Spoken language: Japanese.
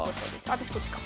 私こっちか。